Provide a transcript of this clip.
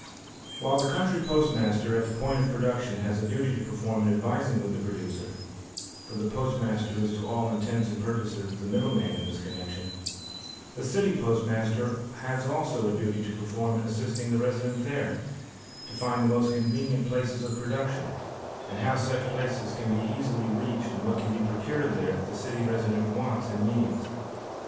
While the country postmaster at the point of production has a duty to perform in advising with the producer (for the postmaster is to all intents and purposes the "middleman" in this connection) the city postmaster has also a duty to perform in assisting the resident there to find the most convenient places of production and how such places can be easily reached and what can be procured there that the city resident wants and needs.